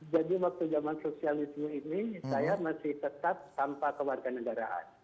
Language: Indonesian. jadi waktu zaman sosialisme ini saya masih tetap tanpa kewarganegaraan